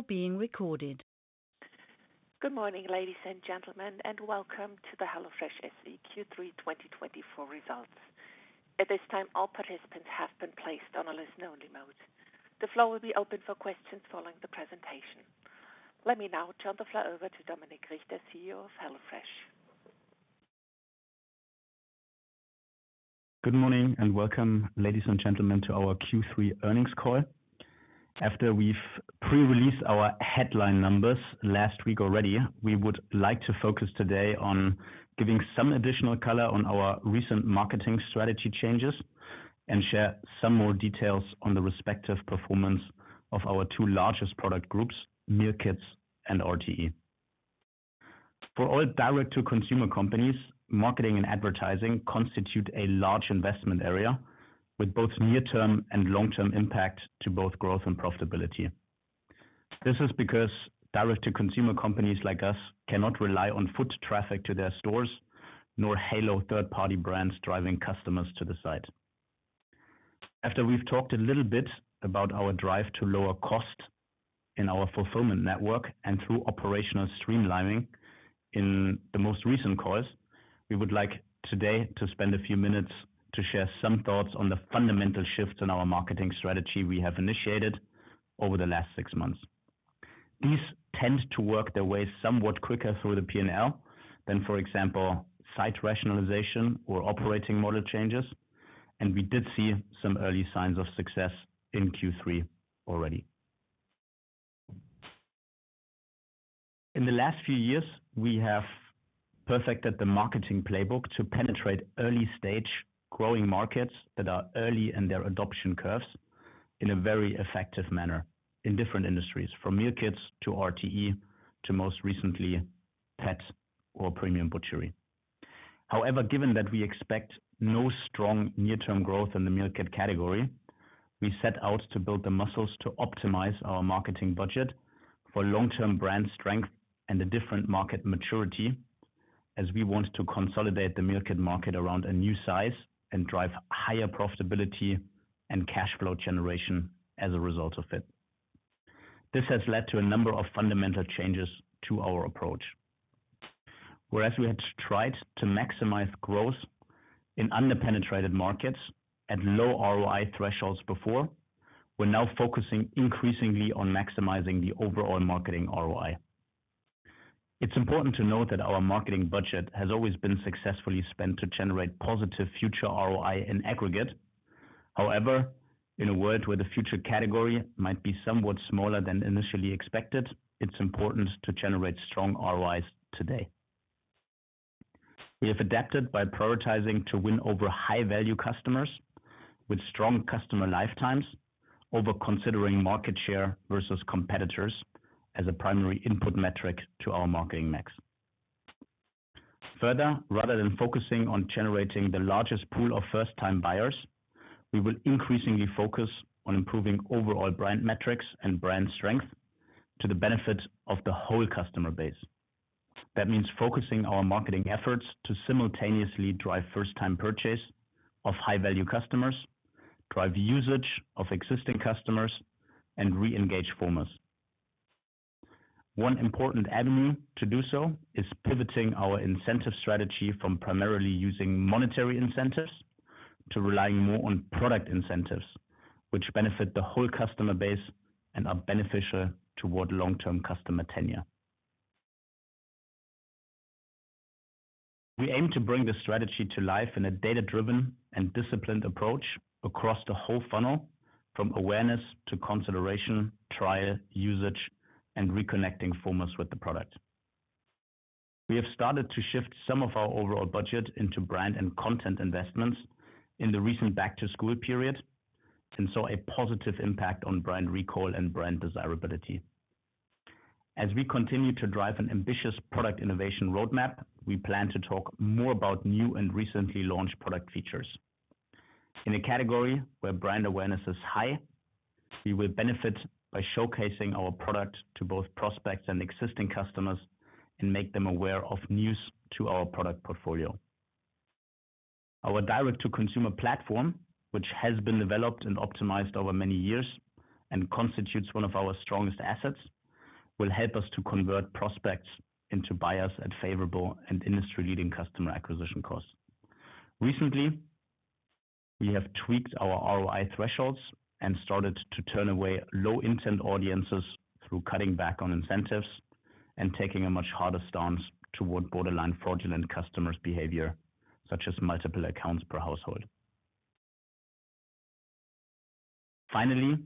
Now being recorded. Good morning, ladies and gentlemen, and welcome to the HelloFresh SE Q3 2024 results. At this time, all participants have been placed on a listen-only mode. The floor will be open for questions following the presentation. Let me now turn the floor over to Dominik Richter, CEO of HelloFresh. Good morning, and welcome, ladies and gentlemen, to our Q3 earnings call. After we've pre-released our headline numbers last week already, we would like to focus today on giving some additional color on our recent marketing strategy changes, and share some more details on the respective performance of our two largest product groups, meal kits and RTE. For all direct-to-consumer companies, marketing and advertising constitute a large investment area, with both near-term and long-term impact to both growth and profitability. This is because direct-to-consumer companies like us cannot rely on foot traffic to their stores, nor halo third-party brands driving customers to the site. After we've talked a little bit about our drive to lower cost in our fulfillment network and through operational streamlining in the most recent calls, we would like today to spend a few minutes to share some thoughts on the fundamental shifts in our marketing strategy we have initiated over the last six months. These tend to work their way somewhat quicker through the P&L than, for example, site rationalization or operating model changes, and we did see some early signs of success in Q3 already. In the last few years, we have perfected the marketing playbook to penetrate early stage growing markets that are early in their adoption curves in a very effective manner in different industries, from meal kits to RTE, to most recently, pet food or premium butchery. However, given that we expect no strong near-term growth in the meal kit category, we set out to build the muscles to optimize our marketing budget for long-term brand strength and a different market maturity, as we want to consolidate the meal kit market around a new size, and drive higher profitability and cash flow generation as a result of it. This has led to a number of fundamental changes to our approach. Whereas we had tried to maximize growth in under-penetrated markets at low ROI thresholds before, we're now focusing increasingly on maximizing the overall marketing ROI. It's important to note that our marketing budget has always been successfully spent to generate positive future ROI in aggregate. However, in a world where the future category might be somewhat smaller than initially expected, it's important to generate strong ROIs today. We have adapted by prioritizing to win over high-value customers with strong customer lifetimes, over considering market share versus competitors as a primary input metric to our marketing mix. Further, rather than focusing on generating the largest pool of first-time buyers, we will increasingly focus on improving overall brand metrics and brand strength to the benefit of the whole customer base. That means focusing our marketing efforts to simultaneously drive first-time purchase of high-value customers, drive usage of existing customers, and re-engage formers. One important avenue to do so is pivoting our incentive strategy from primarily using monetary incentives, to relying more on product incentives, which benefit the whole customer base and are beneficial toward long-term customer tenure. We aim to bring this strategy to life in a data-driven and disciplined approach across the whole funnel, from awareness to consideration, trial, usage, and reconnecting formers with the product. We have started to shift some of our overall budget into brand and content investments in the recent back-to-school period, and saw a positive impact on brand recall and brand desirability. As we continue to drive an ambitious product innovation roadmap, we plan to talk more about new and recently launched product features. In a category where brand awareness is high, we will benefit by showcasing our product to both prospects and existing customers, and make them aware of news to our product portfolio. Our direct-to-consumer platform, which has been developed and optimized over many years and constitutes one of our strongest assets, will help us to convert prospects into buyers at favorable and industry-leading customer acquisition costs. Recently, we have tweaked our ROI thresholds and started to turn away low-intent audiences through cutting back on incentives, and taking a much harder stance toward borderline fraudulent customers' behavior, such as multiple accounts per household. Finally,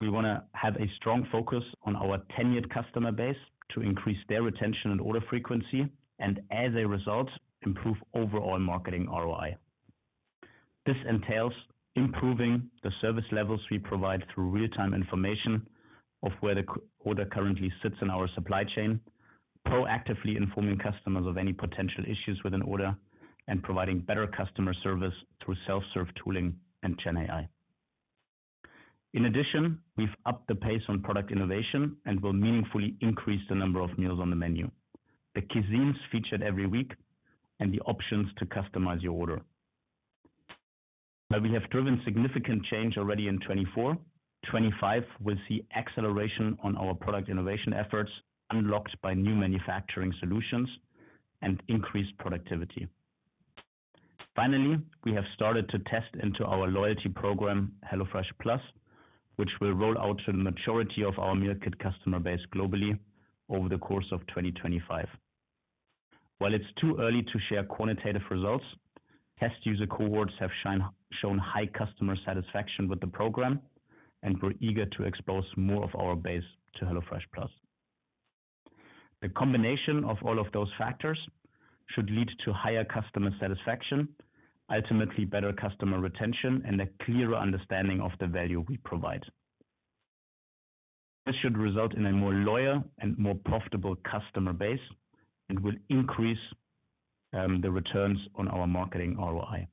we want to have a strong focus on our tenured customer base to increase their retention and order frequency, and as a result, improve overall marketing ROI. This entails improving the service levels we provide through real-time information of where the order currently sits in our supply chain, proactively informing customers of any potential issues with an order, and providing better customer service through self-serve tooling and GenAI. In addition, we've upped the pace on product innovation and will meaningfully increase the number of meals on the menu. The cuisines featured every week and the options to customize your order. But we have driven significant change already in 2024. 2025 will see acceleration on our product innovation efforts, unlocked by new manufacturing solutions and increased productivity. Finally, we have started to test into our loyalty program, HelloFresh+, which will roll out to the majority of our meal kit customer base globally over the course of 2025. While it's too early to share quantitative results, test user cohorts have shown high customer satisfaction with the program, and we're eager to expose more of our base to HelloFresh+. The combination of all of those factors should lead to higher customer satisfaction, ultimately better customer retention, and a clearer understanding of the value we provide. This should result in a more loyal and more profitable customer base, and will increase the returns on our marketing ROI.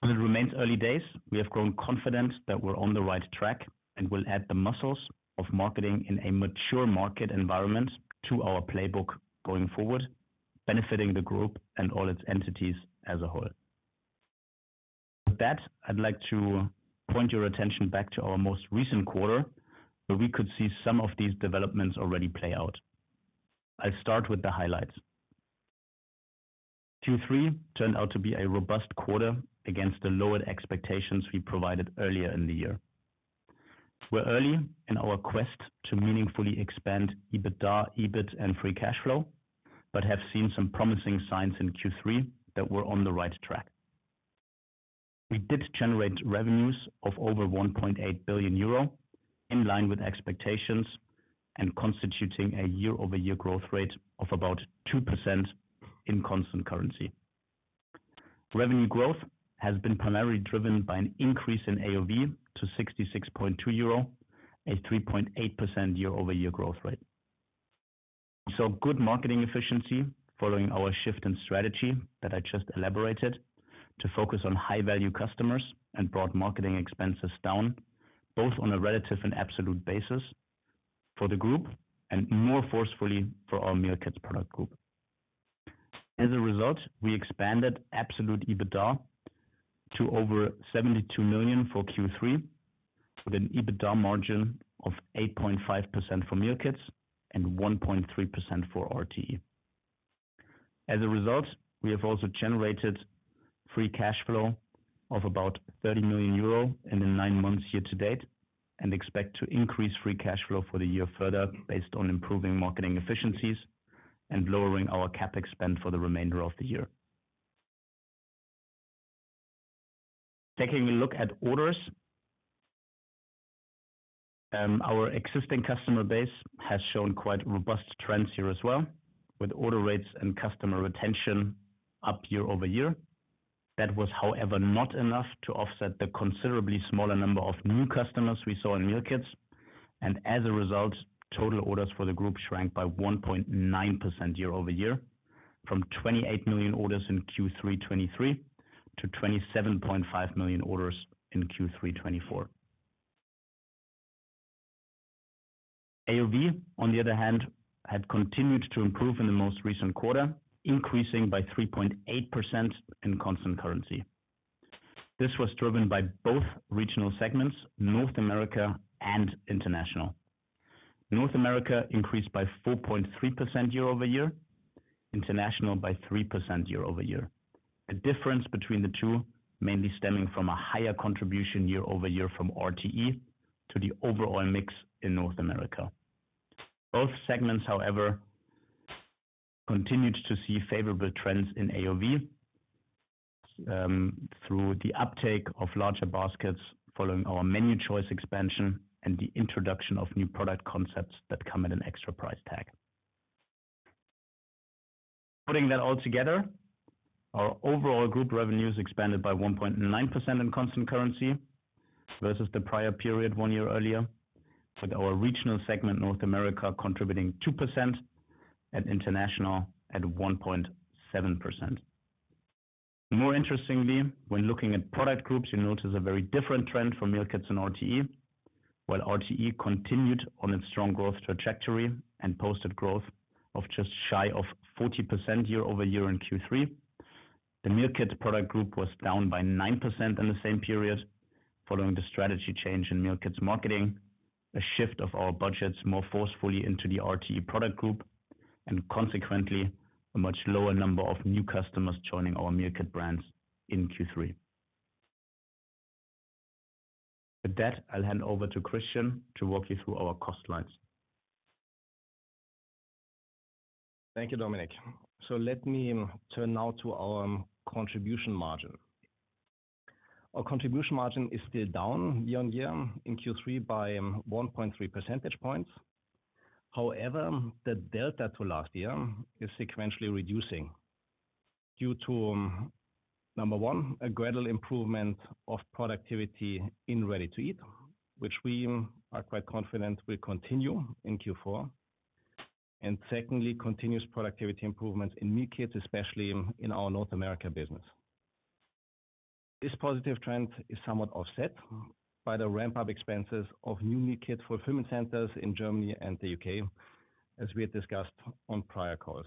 While it remains early days, we have grown confident that we're on the right track and will add the muscles of marketing in a mature market environment to our playbook going forward, benefiting the group and all its entities as a whole. With that, I'd like to point your attention back to our most recent quarter, where we could see some of these developments already play out. I'll start with the highlights. Q3 turned out to be a robust quarter against the lowered expectations we provided earlier in the year. We're early in our quest to meaningfully expand EBITDA, EBIT, and free cash flow, but have seen some promising signs in Q3 that we're on the right track. We did generate revenues of over 1.8 billion euro, in line with expectations, and constituting a year-over-year growth rate of about 2% in constant currency. Revenue growth has been primarily driven by an increase in AOV to 66.2 euro, a 3.8% year-over-year growth rate, so good marketing efficiency, following our shift in strategy that I just elaborated, to focus on high-value customers and brought marketing expenses down, both on a relative and absolute basis for the group and more forcefully for our meal kits product group. As a result, we expanded absolute EBITDA to over 72 million for Q3, with an EBITDA margin of 8.5% for meal kits and 1.3% for RTE. As a result, we have also generated free cash flow of about 30 million euro in the nine months year to date, and expect to increase free cash flow for the year further based on improving marketing efficiencies and lowering our CapEx spend for the remainder of the year. Taking a look at orders, our existing customer base has shown quite robust trends here as well, with order rates and customer retention up year-over-year. That was, however, not enough to offset the considerably smaller number of new customers we saw in meal kits, and as a result, total orders for the group shrank by 1.9% year-over-year, from 28 million orders in Q3 2023 to 27.5 million orders in Q3 2024. AOV, on the other hand, had continued to improve in the most recent quarter, increasing by 3.8% in constant currency. This was driven by both regional segments, North America and International. North America increased by 4.3% year-over-year, International by 3% year-over-year. The difference between the two, mainly stemming from a higher contribution year over year from RTE to the overall mix in North America. Both segments, however, continued to see favorable trends in AOV, through the uptake of larger baskets following our menu choice expansion and the introduction of new product concepts that come at an extra price tag. Putting that all together, our overall group revenues expanded by 1.9% in constant currency versus the prior period one year earlier, with our regional segment, North America, contributing 2% and International at 1.7%. More interestingly, when looking at product groups, you notice a very different trend for meal kits and RTE. While RTE continued on its strong growth trajectory and posted growth of just shy of 40% year-over-year in Q3, the meal kit product group was down by 9% in the same period, following the strategy change in meal kits marketing, a shift of our budgets more forcefully into the RTE product group, and consequently, a much lower number of new customers joining our meal kit brands in Q3. With that, I'll hand over to Christian to walk you through our cost lines. Thank you, Dominik. So let me turn now to our contribution margin. Our contribution margin is still down year-on-year in Q3 by one point three percentage points. However, the delta to last year is sequentially reducing due to, number one, a gradual improvement of productivity in ready to eat, which we are quite confident will continue in Q4. And secondly, continuous productivity improvement in meal kits, especially in our North America business. This positive trend is somewhat offset by the ramp-up expenses of new meal kit fulfillment centers in Germany and the U.K., as we had discussed on prior calls.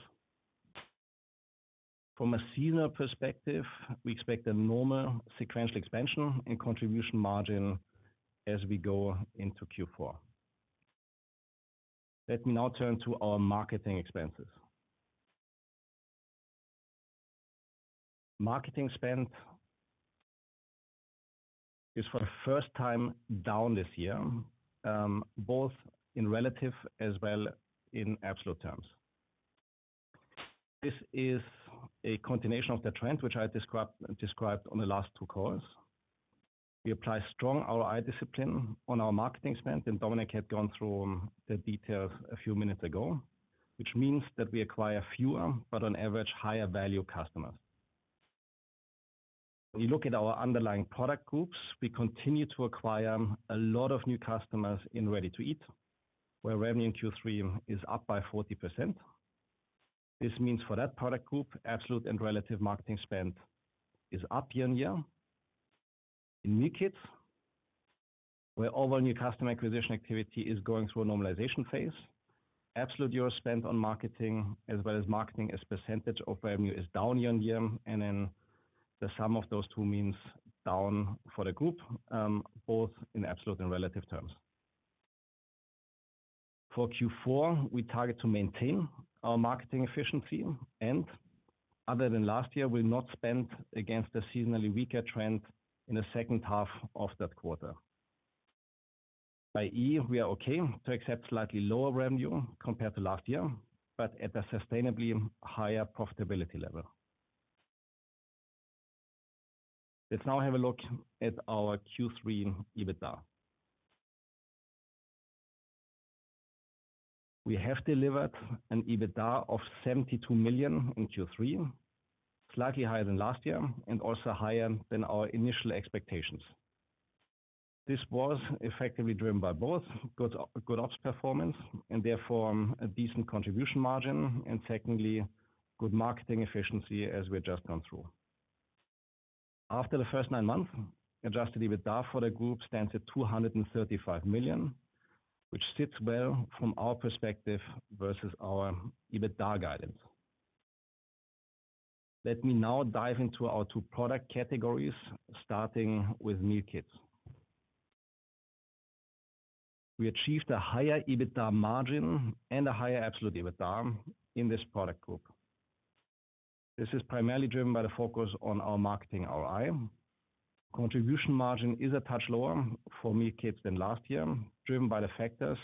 From a seasonal perspective, we expect a normal sequential expansion and contribution margin as we go into Q4. Let me now turn to our marketing expenses. Marketing spend is for the first time down this year, both in relative as well in absolute terms. This is a continuation of the trend which I described on the last two calls. We apply strong ROI discipline on our marketing spend, and Dominik had gone through the details a few minutes ago, which means that we acquire fewer, but on average, higher value customers. We look at our underlying product groups, we continue to acquire a lot of new customers in ready-to-eat, where revenue in Q3 is up by 40%. This means for that product group, absolute and relative marketing spend is up year-on-year. In meal kits, where all our new customer acquisition activity is going through a normalization phase, absolute euro spend on marketing as well as marketing as percentage of revenue is down year-on-year, and then the sum of those two means down for the group, both in absolute and relative terms. For Q4, we target to maintain our marketing efficiency, and other than last year, we'll not spend against the seasonally weaker trend in the second half of that quarter. I.e, we are okay to accept slightly lower revenue compared to last year, but at a sustainably higher profitability level. Let's now have a look at our Q3 EBITDA. We have delivered an EBITDA of 72 million in Q3, slightly higher than last year and also higher than our initial expectations. This was effectively driven by good ops performance and therefore, a decent contribution margin, and secondly, good marketing efficiency, as we just gone through. After the first nine months, adjusted EBITDA for the group stands at 235 million, which sits well from our perspective versus our EBITDA guidance. Let me now dive into our two product categories, starting with meal kits. We achieved a higher EBITDA margin and a higher absolute EBITDA in this product group. This is primarily driven by the focus on our marketing ROI. Contribution margin is a touch lower for meal kits than last year, driven by the factors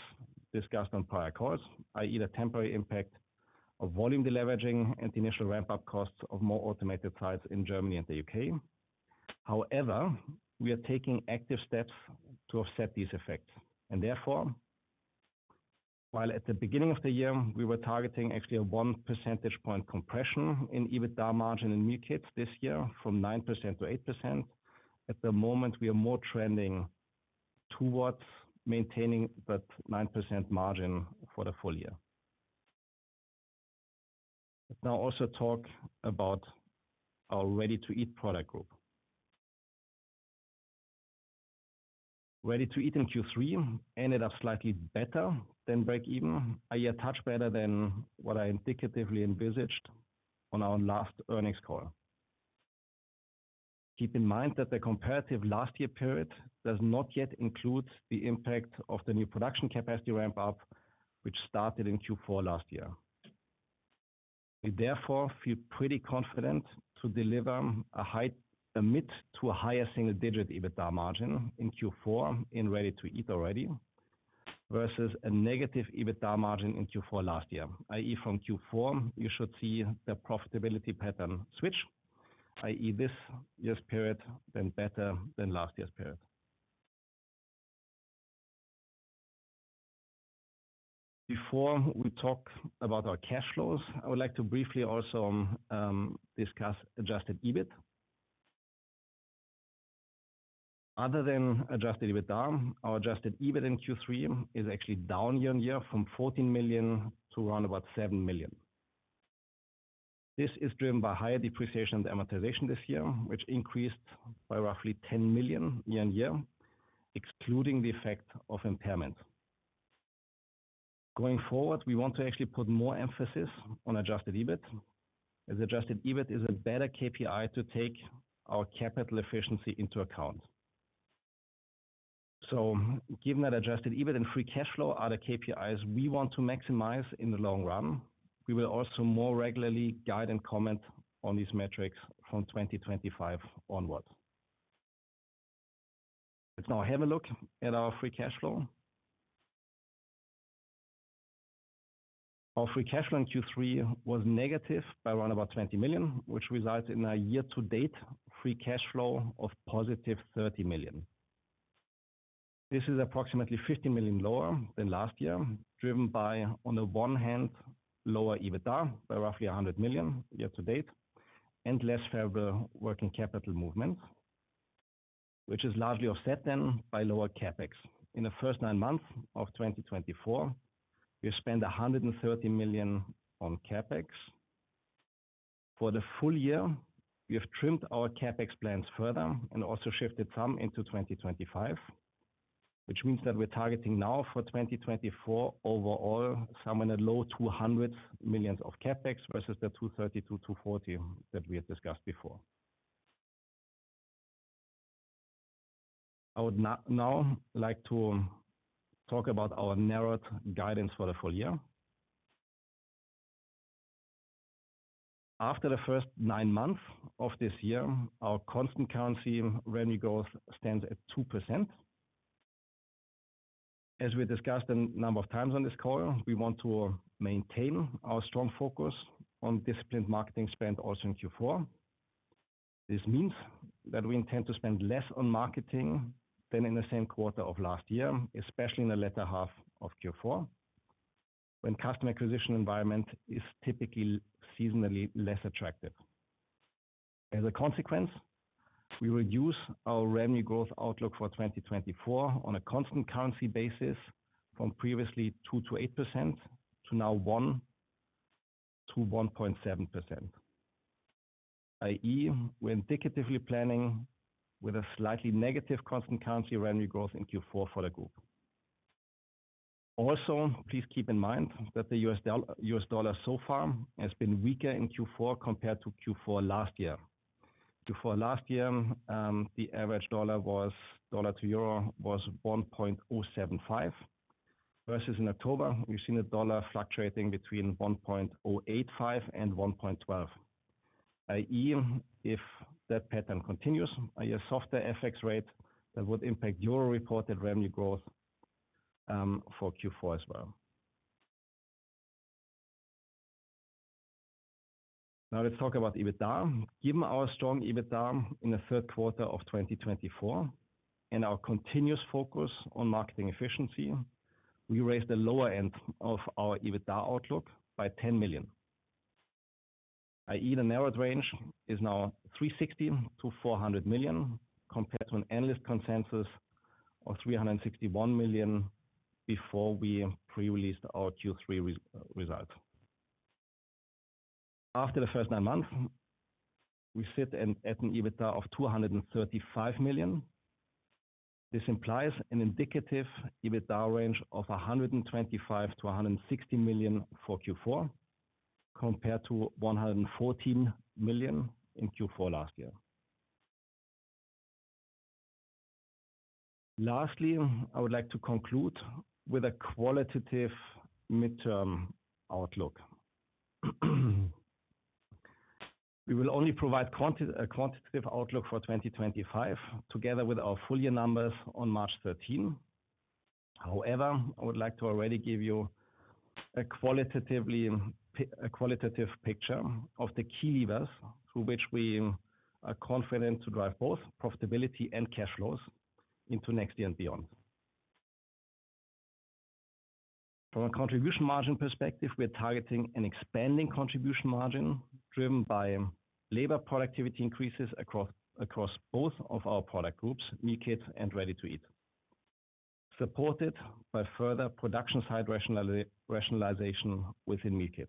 discussed on prior calls, i.e., the temporary impact of volume deleveraging and the initial ramp-up costs of more automated sites in Germany and the U.K. However, we are taking active steps to offset these effects, and therefore, while at the beginning of the year, we were targeting actually a one percentage point compression in EBITDA margin in meal kits this year from 9% to 8%, at the moment, we are more trending towards maintaining that 9% margin for the full year. Let's now also talk about our ready-to-eat product group. Ready-to-eat in Q3 ended up slightly better than break even, a touch better than what I indicatively envisaged on our last earnings call. Keep in mind that the comparative last year period does not yet include the impact of the new production capacity ramp up, which started in Q4 last year. We therefore feel pretty confident to deliver a mid- to higher single-digit EBITDA margin in Q4 in ready-to-eat already, versus a negative EBITDA margin in Q4 last year, i.e., from Q4, you should see the profitability pattern switch, i.e., this year's period being better than last year's period. Before we talk about our cash flows, I would like to briefly also discuss adjusted EBIT. Other than adjusted EBITDA, our adjusted EBIT in Q3 is actually down year-on-year from 14 million to around about 7 million. This is driven by higher depreciation and amortization this year, which increased by roughly 10 million year-on-year, excluding the effect of impairment. Going forward, we want to actually put more emphasis on adjusted EBIT, as adjusted EBIT is a better KPI to take our capital efficiency into account. Given that adjusted EBIT and free cash flow are the KPIs we want to maximize in the long run, we will also more regularly guide and comment on these metrics from 2025 onwards. Let's now have a look at our free cash flow. Our free cash flow in Q3 was negative by around about 20 million, which results in a year-to-date free cash flow of +30 million. This is approximately 50 million lower than last year, driven by, on the one hand, lower EBITDA by roughly 100 million year-to-date, and less favorable working capital movements. which is largely offset then by lower CapEx. In the first nine months of 2024, we spent 100 million on CapEx. For the full year, we have trimmed our CapEx plans further and also shifted some into 2025, which means that we're targeting now for 2024 overall, somewhere in the low 200 millions of CapEx versus the 230 million-240 million that we had discussed before. I would now like to talk about our narrowed guidance for the full year. After the first nine months of this year, our constant currency revenue growth stands at 2%. As we discussed a number of times on this call, we want to maintain our strong focus on disciplined marketing spend also in Q4. This means that we intend to spend less on marketing than in the same quarter of last year, especially in the latter half of Q4, when customer acquisition environment is typically seasonally less attractive. As a consequence, we reduce our revenue growth outlook for 2024 on a constant currency basis from previously 2%-8% to now 1%-1.7%. I.e., we're indicatively planning with a slightly negative constant currency revenue growth in Q4 for the group. Also, please keep in mind that the US dollar so far has been weaker in Q4 compared to Q4 last year. Q4 last year, the average dollar to euro was 1.075, versus in October, we've seen the dollar fluctuating between 1.085 and 1.12. I.e., if that pattern continues, a softer FX rate, that would impact euro reported revenue growth for Q4 as well. Now, let's talk about EBITDA. Given our strong EBITDA in the third quarter of 2024 and our continuous focus on marketing efficiency, we raised the lower end of our EBITDA outlook by 10 million. I.e., the narrowed range is now 360 million-400 million, compared to an analyst consensus of 361 million before we pre-released our Q3 result. After the first nine months, we sit at an EBITDA of 235 million. This implies an indicative EBITDA range of 125 million-160 million for Q4, compared to 114 million in Q4 last year. Lastly, I would like to conclude with a qualitative midterm outlook. We will only provide quantitative outlook for 2025, together with our full year numbers on March 13. However, I would like to already give you a qualitative picture of the key levers through which we are confident to drive both profitability and cash flows into next year and beyond. From a contribution margin perspective, we are targeting an expanding contribution margin, driven by labor productivity increases across both of our product groups, meal kit and ready-to-eat, supported by further production site rationalization within meal kit.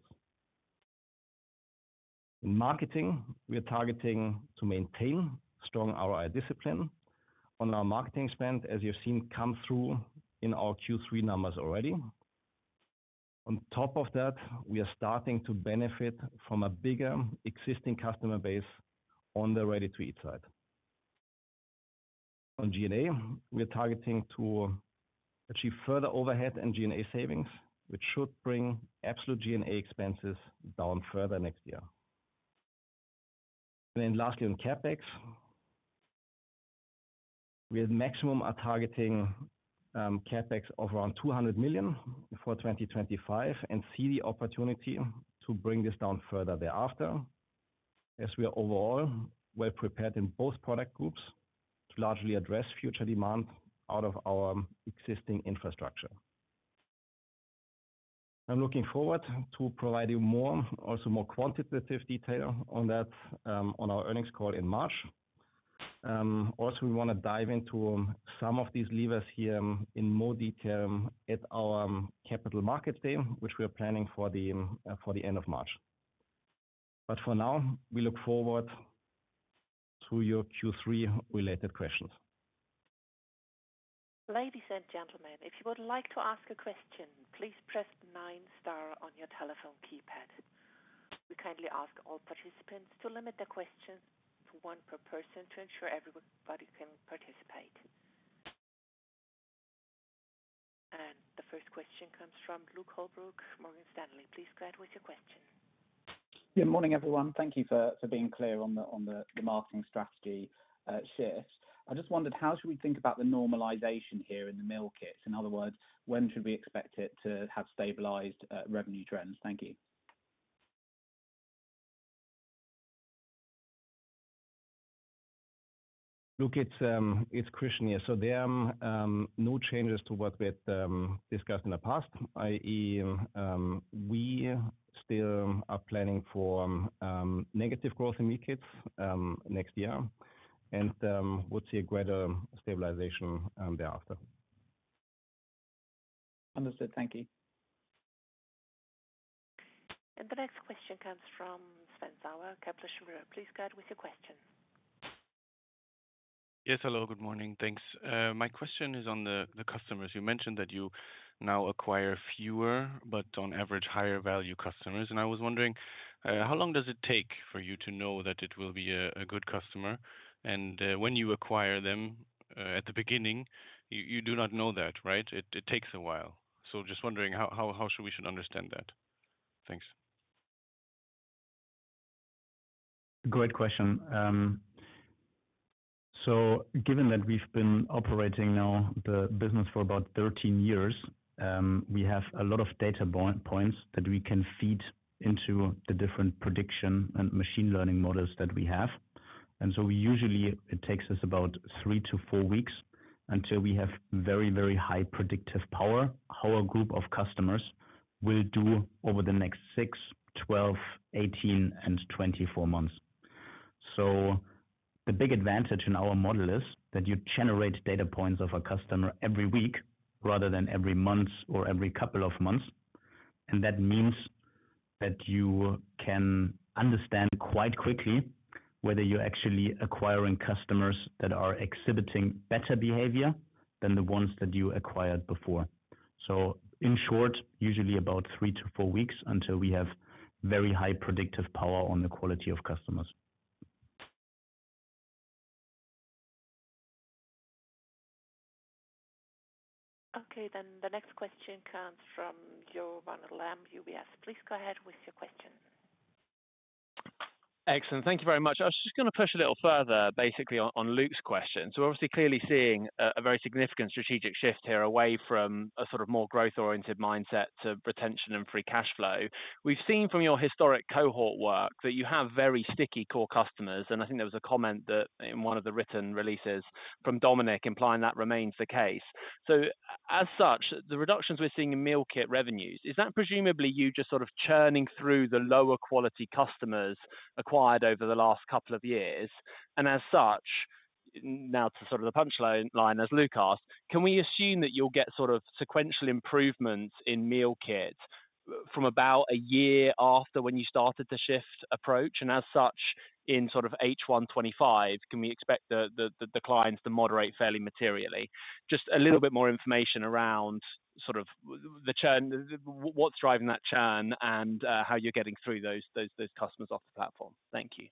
In marketing, we are targeting to maintain strong ROI discipline on our marketing spend, as you've seen come through in our Q3 numbers already. On top of that, we are starting to benefit from a bigger existing customer base on the ready-to-eat side. On G&A, we are targeting to achieve further overhead and G&A savings, which should bring absolute G&A expenses down further next year. And then lastly, on CapEx, we are targeting CapEx of around 200 million for 2025 and see the opportunity to bring this down further thereafter, as we are overall well prepared in both product groups to largely address future demand out of our existing infrastructure. I'm looking forward to providing more, also more quantitative detail on that, on our earnings call in March. Also, we want to dive into some of these levers here in more detail at our capital markets day, which we are planning for the end of March. But for now, we look forward to your Q3 related questions. Ladies and gentlemen, if you would like to ask a question, please press nine star on your telephone keypad. We kindly ask all participants to limit their questions to one per person to ensure everybody can participate. The first question comes from Luke Holbrook, Morgan Stanley. Please go ahead with your question. Good morning, everyone. Thank you for being clear on the marketing strategy shift. I just wondered, how should we think about the normalization here in the meal kits? In other words, when should we expect it to have stabilized revenue trends? Thank you. Luke, it's Christian here. So there are no changes to what we had discussed in the past. I.e., we still are planning for negative growth in meal kits next year, and we'll see a greater stabilization thereafter. Understood. Thank you. The next question comes from Sven Sauer, Kepler Cheuvreux. Please go ahead with your question. Yes, hello, good morning. Thanks. My question is on the customers. You mentioned that you now acquire fewer, but on average, higher value customers. And I was wondering how long does it take for you to know that it will be a good customer? And when you acquire them, at the beginning, you do not know that, right? It takes a while. So just wondering how should we understand that? Thanks. Great question, so given that we've been operating now the business for about 13 years, we have a lot of data points that we can feed into the different prediction and machine learning models that we have. And so, usually it takes us about three to four weeks until we have very, very high predictive power. How a group of customers will do over the next six, 12, 18, and 24 months, so the big advantage in our model is that you generate data points of a customer every week rather than every month or every couple of months. And that means that you can understand quite quickly whether you're actually acquiring customers that are exhibiting better behavior than the ones that you acquired before, so in short, usually about three to four weeks until we have very high predictive power on the quality of customers. Okay, then the next question comes from Jo Barnet-Lamb, UBS. Please go ahead with your question. Excellent. Thank you very much. I was just gonna push a little further, basically on, on Luke's question. So obviously, clearly seeing a very significant strategic shift here away from a sort of more growth-oriented mindset to retention and free cash flow. We've seen from your historic cohort work that you have very sticky core customers, and I think there was a comment that in one of the written releases from Dominik, implying that remains the case. So as such, the reductions we're seeing in meal kit revenues, is that presumably you just sort of churning through the lower quality customers acquired over the last couple of years? And as such, now to sort of the punchline line, as Luke asked: can we assume that you'll get sort of sequential improvements in meal kits from about a year after when you started the shift approach? And as such, in sort of H1 2025, can we expect the declines to moderate fairly materially? Just a little bit more information around sort of the churn, what's driving that churn, and how you're getting through those customers off the platform. Thank you.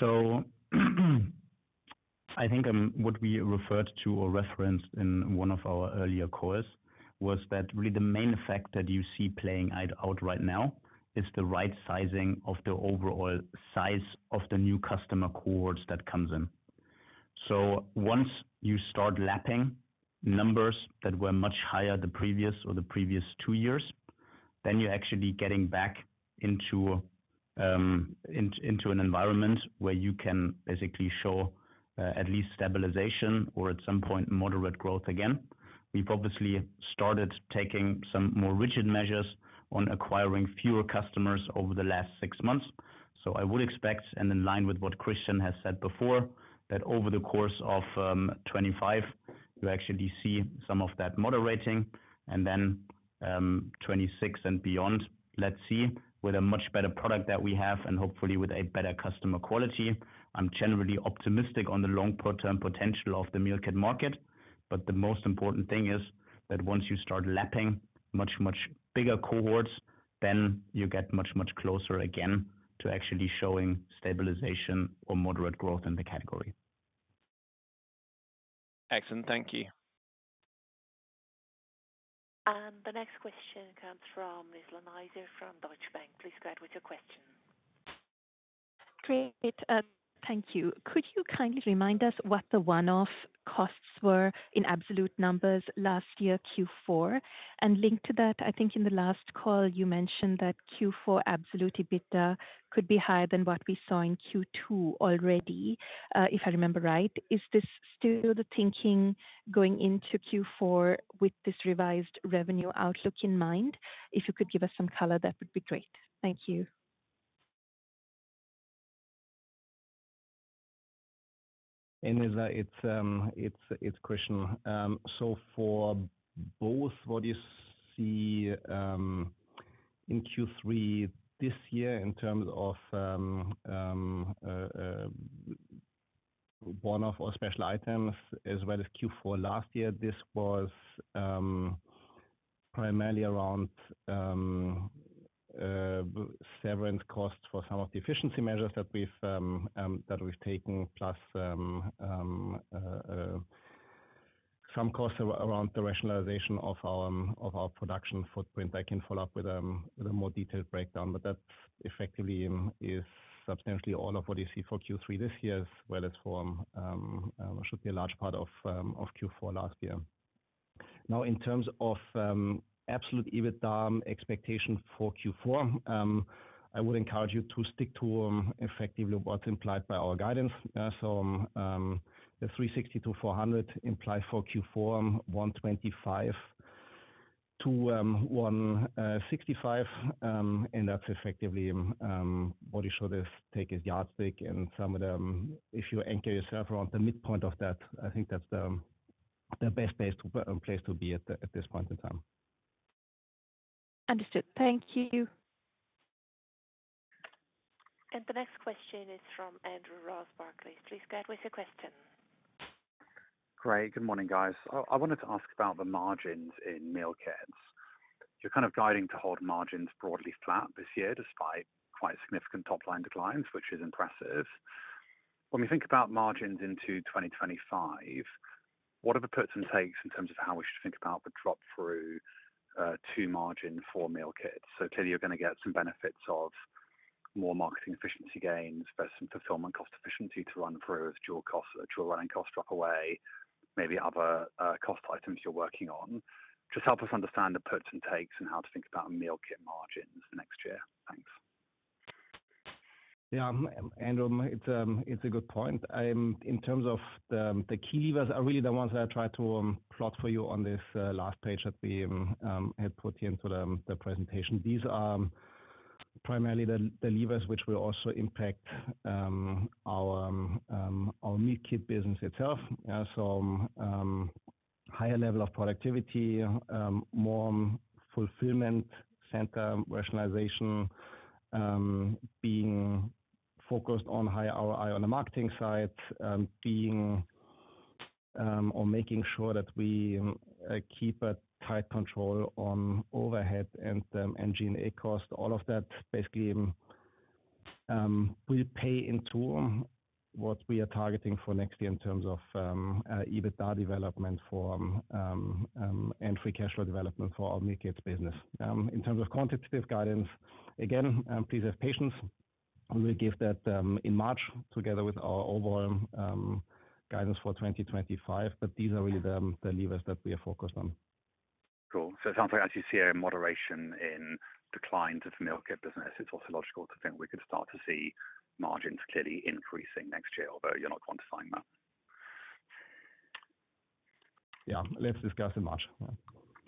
So, I think what we referred to or referenced in one of our earlier calls was that really the main factor that you see playing out right now is the right sizing of the overall size of the new customer cohorts that comes in. So once you start lapping numbers that were much higher the previous or the previous two years, then you're actually getting back into into an environment where you can basically show at least stabilization or at some point, moderate growth again. We've obviously started taking some more rigid measures on acquiring fewer customers over the last six months. So I would expect, and in line with what Christian has said before, that over the course of 2025, you actually see some of that moderating. Then, 2026 and beyond, let's see, with a much better product that we have and hopefully with a better customer quality, I'm generally optimistic on the longer-term potential of the meal kit market. But the most important thing is that once you start lapping much, much bigger cohorts, then you get much, much closer again to actually showing stabilization or moderate growth in the category. Excellent. Thank you. The next question comes from Nizla Naizer, from Deutsche Bank. Please go ahead with your question. Great. Thank you. Could you kindly remind us what the one-off costs were in absolute numbers last year, Q4, and linked to that, I think in the last call, you mentioned that Q4 absolute EBITDA could be higher than what we saw in Q2 already, if I remember right. Is this still the thinking going into Q4 with this revised revenue outlook in mind? If you could give us some color, that would be great. Thank you. Hey, Nizla, it's Christian, so for both, what you see in Q3 this year in terms of one-off or special items as well as Q4 last year, this was primarily around severance costs for some of the efficiency measures that we've taken, plus some costs around the rationalization of our production footprint. I can follow up with a more detailed breakdown, but that effectively is substantially all of what you see for Q3 this year, as well as for Q4 last year should be a large part of Q4 last year. Now, in terms of absolute EBITDA expectation for Q4, I would encourage you to stick to effectively what's implied by our guidance. The 360 million-400 million implied for Q4, 125 million-... to 165 million, and that's effectively what you should just take as yardstick and some of them, if you anchor yourself around the midpoint of that, I think that's the best place to be at this point in time. Understood. Thank you. And the next question is from Andrew Ross, Barclays. Please go ahead with your question. Great. Good morning, guys. I wanted to ask about the margins in meal kits. You're kind of guiding to hold margins broadly flat this year, despite quite significant top-line declines, which is impressive. When we think about margins into 2025, what are the puts and takes in terms of how we should think about the drop through to margin for meal kits? So clearly, you're gonna get some benefits of more marketing efficiency gains, but some fulfillment cost efficiency to run through as dual cost, dual running cost drop away, maybe other cost items you're working on. Just help us understand the puts and takes and how to think about meal kit margins next year. Thanks. Yeah, Andrew, it's a good point. In terms of the key levers are really the ones I tried to plot for you on this last page that we had put into the presentation. These are primarily the levers which will also impact our meal kit business itself. So, higher level of productivity, more fulfillment center rationalization, being focused on high ROI on the marketing side, being or making sure that we keep a tight control on overhead and G&A costs. All of that basically will pay into what we are targeting for next year in terms of EBITDA development for and free cash flow development for our meal kits business. In terms of quantitative guidance, again, please have patience. I'm gonna give that in March, together with our overall guidance for 2025, but these are really the levers that we are focused on. Cool. So it sounds like as you see a moderation in declines of the meal kit business, it's also logical to think we could start to see margins clearly increasing next year, although you're not quantifying that. Yeah, let's discuss in March.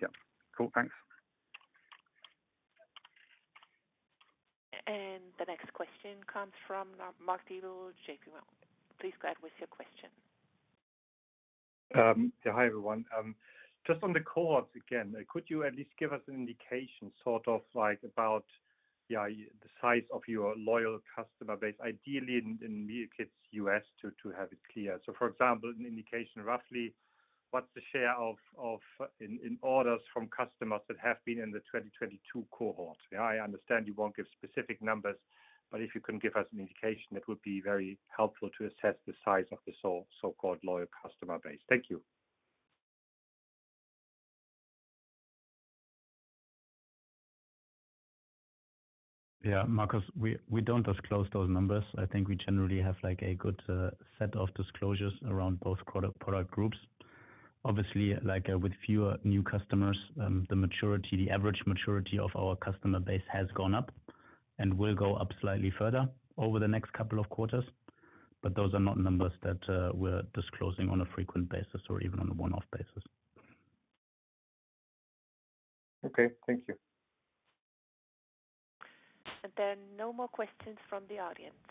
Yeah. Cool, thanks. The next question comes from Marcus Diebel, JPMorgan. Please go ahead with your question. Yeah, hi, everyone. Just on the cohorts again, could you at least give us an indication, sort of like about, yeah, the size of your loyal customer base, ideally in meal kits U.S., to have it clear? So, for example, an indication, roughly, what's the share of orders from customers that have been in the twenty twenty-two cohort? Yeah, I understand you won't give specific numbers, but if you can give us an indication, it would be very helpful to assess the size of the so-called loyal customer base. Thank you. Yeah, Marcus, we don't disclose those numbers. I think we generally have, like, a good set of disclosures around both product groups. Obviously, like, with fewer new customers, the maturity, the average maturity of our customer base has gone up and will go up slightly further over the next couple of quarters, but those are not numbers that we're disclosing on a frequent basis or even on a one-off basis. Okay, thank you. There are no more questions from the audience.